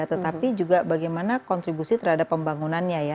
tetapi juga bagaimana kontribusi terhadap pembangunannya ya